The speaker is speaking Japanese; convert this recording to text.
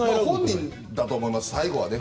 本人だと思います最後は。